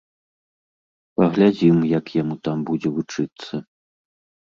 Паглядзім, як яму там будзе вучыцца.